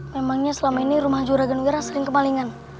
memangnya selama ini rumah juragan wira sering kemalingan